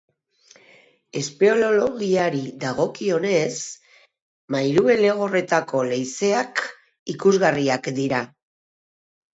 Espeleologiari dagokionez, Mairuelegorretako leizeak ikusgarriak dira.